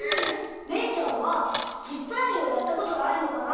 めいちゃんはジップラインをやったことはあるのかな？